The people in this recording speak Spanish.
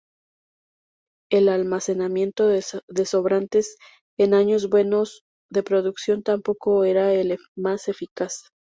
El almacenamiento de sobrantes, en años buenos de producción, tampoco era el más eficaz.